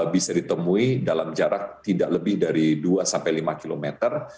bisa ditemui dalam jarak tidak lebih dari dua sampai lima kilometer